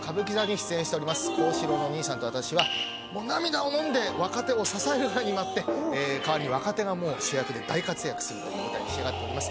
幸四郎の兄さんと私は涙をのんで若手を支える側に回って代わりに若手がもう主役で大活躍するという舞台に仕上がっております